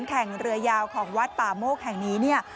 แข่งเรือยาวของวัดป่าโมกแห่งนี้เนี่ย